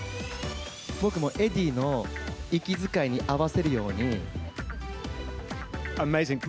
僕もエディの息遣いに合わせるように。